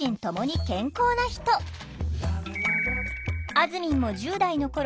あずみんも１０代のころ